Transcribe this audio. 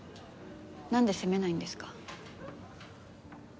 なんで責めないんですか？